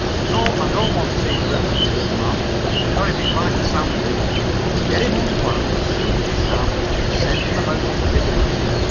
No, I don't want to see the rest of the young man not if he's like the sample. Get him unwound as soon as you can, and send him about his business.